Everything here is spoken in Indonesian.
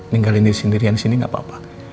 tinggalin dia sendirian di sini gak apa apa